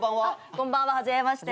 こんばんは初めまして。